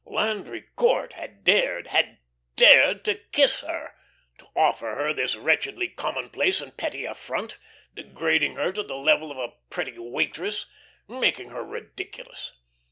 Landry Court had dared, had dared to kiss her, to offer her this wretchedly commonplace and petty affront, degrading her to the level of a pretty waitress, making her ridiculous.